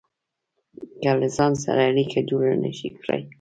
که له ځان سره اړيکه جوړه نشئ کړای.